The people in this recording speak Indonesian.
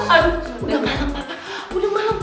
aduh udah malem